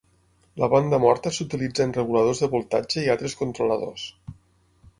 La banda morta s'utilitza en reguladors de voltatge i altres controladors.